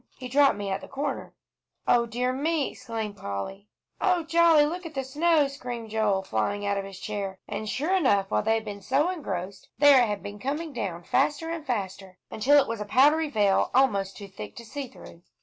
He dropped me at the corner." "O dear me!" exclaimed Polly. "Oh, jolly! look at the snow!" screamed Joel, flying out of his chair. And sure enough, while they had been so engrossed, there it had been coming down faster and faster, until it was a powdery veil, almost too thick to see through.